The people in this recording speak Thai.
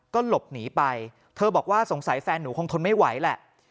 ก็หลบหนีไปเธอบอกว่าสงสัยแฟนหนูคงทนไม่ไหวแหละ